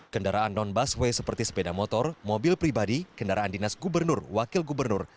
kendaraan non busway seperti sepeda motor mobil pribadi kendaraan dinas gubernur wakil gubernur